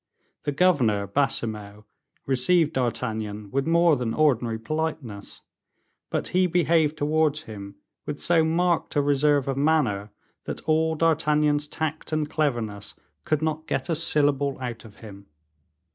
The governor, Baisemeaux, received D'Artagnan with more than ordinary politeness, but he behaved towards him with so marked a reserve of manner, that all D'Artagnan's tact and cleverness could not get a syllable out of him.